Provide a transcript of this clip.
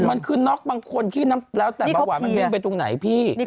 มันคือน็อกบางคนที่แล้วแต่เบาหวานมันเนียนไปตรงไหนพี่